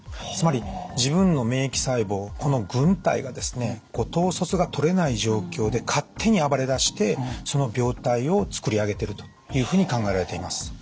つまり自分の免疫細胞をこの軍隊がですね統率がとれない状況で勝手に暴れだしてその病態をつくり上げてるというふうに考えられています。